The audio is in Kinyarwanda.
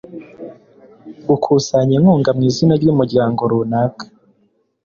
gukusanya inkunga mu izina ry'umuryango runaka